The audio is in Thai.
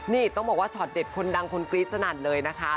นี่ต้องบอกว่าช็อตเด็ดคนดังคนกรี๊ดสนั่นเลยนะคะ